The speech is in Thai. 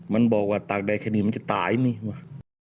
มันบอกว่าตากเดทแค่นี้มันจะตายไงว่ะ